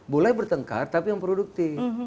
boleh bertengkar tapi yang produktif